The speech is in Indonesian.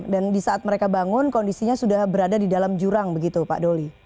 dan di saat mereka bangun kondisinya sudah berada di dalam jurang begitu pak doli